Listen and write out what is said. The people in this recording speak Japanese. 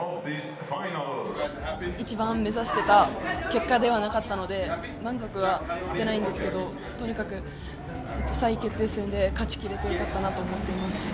一番目指してた結果ではなかったので満足はしていないんですけれどとにかく３位決定戦で勝ち切れてよかったと思っています。